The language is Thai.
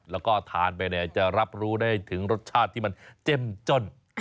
แล้วก็ทานไปเนี่ยจะรับรู้ได้ถึงรสชาติที่มันเจ้มจ้น